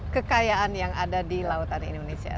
kekayaan yang ada di lautan indonesia